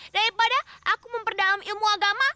daripada aku memperdalam ilmu agama